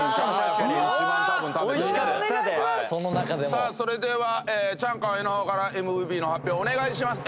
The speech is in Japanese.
さあそれではチャンカワイの方からＭＶＰの発表お願いします。